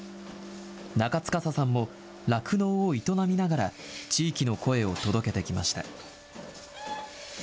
中司さんも、酪農を営みながら、地域の声を届けてきました。